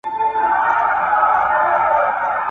چي یې وکتل په غشي کي شهپر وو ,